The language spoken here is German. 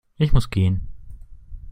Ich muss gehen